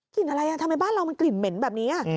อะไรทำไมบ้านเรามันกลิ่นเหม็นแบบนี้